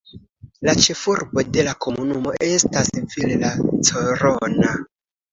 La ĉefurbo de la komunumo estas Villa Corona.